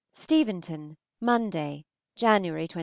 STEVENTON, Monday (January 21).